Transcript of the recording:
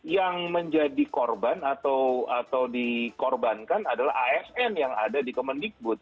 yang menjadi korban atau dikorbankan adalah asn yang ada di kemendikbud